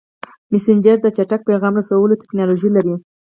مسېنجر د چټک پیغام رسولو ټکنالوژي لري.